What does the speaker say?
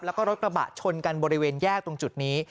แล้วก็รถกระบะชนกันบริเวณแยกตรงจุดนี้